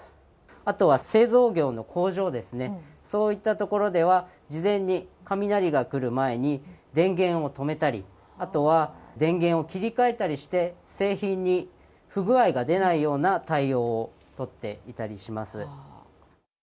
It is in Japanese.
あとは製造業の工場ですね、そういったところでは、事前に雷が来る前に、電源を止めたり、あとは電源を切り替えたりして、製品に不具合が出ないような対応を取っていたりします。